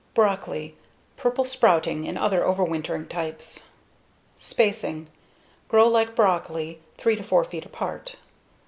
Broccoli: Purple Sprouting and Other Overwintering Types Spacing: Grow like broccoli, 3 to 4 feet apart.